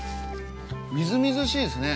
みずみずしいですね。